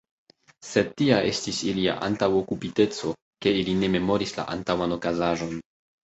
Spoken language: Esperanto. Sed tia estis ilia antaŭokupiteco, ke ili ne memoris la antaŭan okazaĵon.